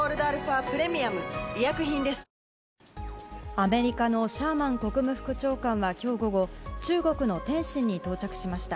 アメリカのシャーマン国務副長官は今日午後、中国の天津に到着しました。